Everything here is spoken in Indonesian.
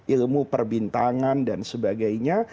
ilmu perbintangan dan sebagainya